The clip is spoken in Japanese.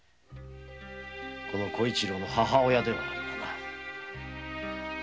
この小一郎の母親ではあるがな。